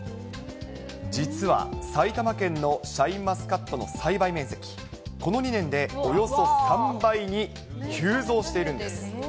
実は、埼玉県のシャインマスカットの栽培面積、この２年でおよそ３倍に急増しているんです。